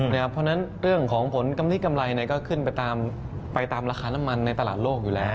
เพราะฉะนั้นเรื่องของผลกำลิกำไรก็ขึ้นไปตามราคาน้ำมันในตลาดโลกอยู่แล้ว